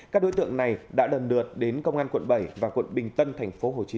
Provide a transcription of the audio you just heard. các đối tượng này đã đần lượt đến công an quận bảy và quận bình tân tp hcm đầu thủ